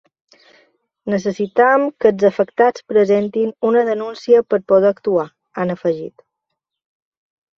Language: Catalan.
“Necessitem que els afectats presentin una denúncia per poder actuar”, han afegit.